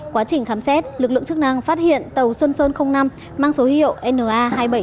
quá trình khám xét lực lượng chức năng phát hiện tàu xuân sơn năm mang số hiệu na hai nghìn bảy trăm chín mươi chín